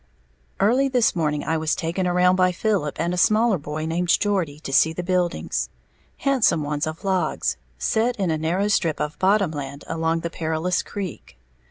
_ Early this morning I was taken around by Philip and a smaller boy named Geordie to see the buildings, handsome ones of logs, set in a narrow strip of bottom land along Perilous Creek.